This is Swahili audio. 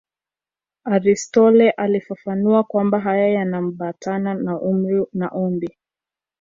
Aristotle alifafanua kwamba haya yanaambatana na amri na ombi.